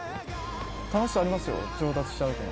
楽しさありますよ、上達したときの。